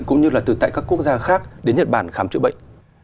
cũng như là từ tại các quốc gia khác đến nhật bản khám chữa bệnh